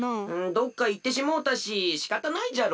どっかいってしもうたししかたないじゃろ。